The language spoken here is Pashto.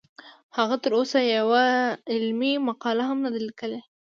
هغه تر اوسه یوه علمي مقاله هم نه ده لیکلې